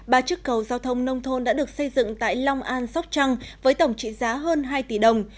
ba chiếc cầu giao thông nông thôn đã được xây dựng tại long an sóc trăng với tổng trị giá hơn hai tỷ đồng